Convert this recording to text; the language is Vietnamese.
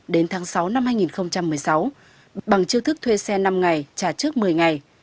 đến tháng sáu năm hai nghìn một mươi sáu bằng chiêu thức thuê xe năm ngày trả trước một mươi ngày